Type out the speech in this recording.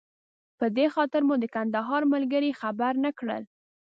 په دې خاطر مو د کندهار ملګري خبر نه کړل.